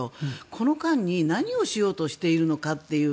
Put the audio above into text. この間に、何をしようとしているのかという。